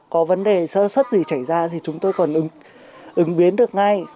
có vấn đề sơ xuất gì xảy ra thì chúng tôi còn ứng biến được ngay